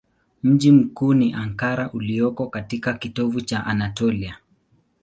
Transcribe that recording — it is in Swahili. Mji mkuu ni Ankara ulioko katika kitovu cha Anatolia.